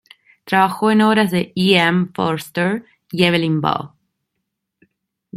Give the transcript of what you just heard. Tradujo obras de "E. M. Forster" y "Evelyn Waugh".